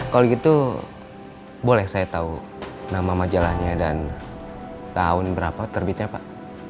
kalau gitu boleh saya tahu nama majalahnya dan tahun berapa terbitnya pak